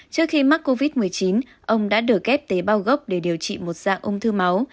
trước khi mắc covid một mươi chín ông đã đỡ kép tế bao gốc để điều trị một dạng ung thư máu